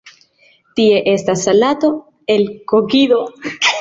Tie estas salato el kokido.